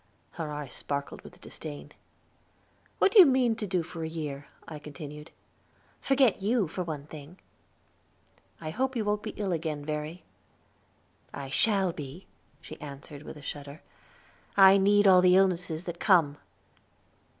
Her eyes sparkled with disdain. "What do you mean to do for a year?" I continued. "Forget you, for one thing." "I hope you wont be ill again, Verry." "I shall be," she answered with a shudder; "I need all the illnesses that come."